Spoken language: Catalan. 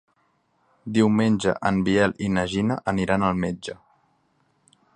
Diumenge en Biel i na Gina aniran al metge.